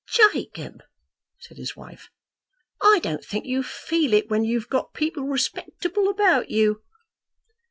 "Jacob," said his wife, "I don't think you feel it when you've got people respectable about you."